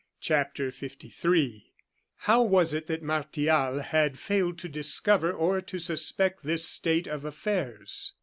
CHAPTER LIII How was it that Martial had failed to discover or to suspect this state of affairs?